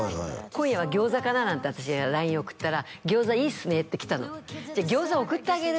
「今夜は餃子かな」なんて私がＬＩＮＥ送ったら「餃子いいっすね」って来たの「じゃあ餃子送ってあげる」